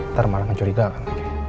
ntar malah mencurigakan